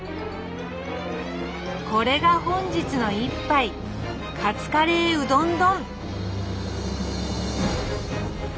これが本日の一杯「カツカレーうどん丼」！